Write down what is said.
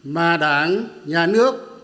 mà đảng nhà nước